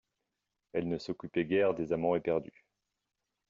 Elles ne s'occupaient guère des amants éperdus.